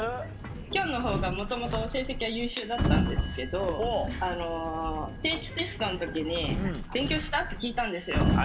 きょんのほうがもともと成績は優秀だったんですけど定期テストの時に「勉強した？」って聞いたんですよ。